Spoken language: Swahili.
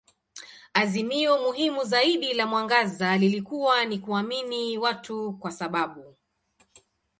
Azimio muhimu zaidi la mwangaza lilikuwa ni kuamini watu kwa sababu.